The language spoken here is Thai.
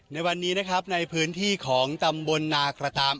ในวันนี้นะครับในพื้นที่ของตำบลนากระตาม